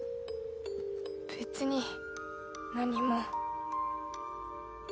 別に何も。